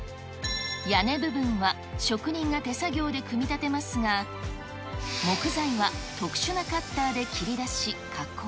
屋根部分は、職人が手作業で組み立てますが、木材は特殊なカッターで切り出し、加工。